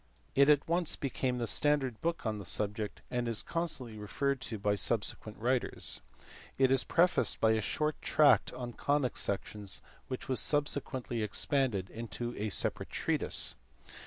It at once became the standard book on the subject, and is constantly referred to by subsequent writers. It is prefaced by a short tract on conic sections which was subsequently expanded into a separate treatise.